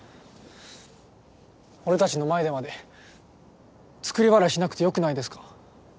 俺たちの前でまで作り笑いしなくてよくないですか？